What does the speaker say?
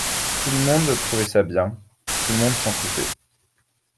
tout le monde trouvait ça bien, tout le monde s’en foutait.